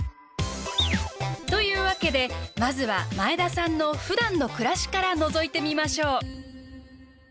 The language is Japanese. というわけでまずは前田さんのふだんの暮らしからのぞいてみましょう。